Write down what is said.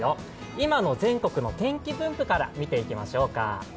今の全国の天気分布から見ていきましょうか。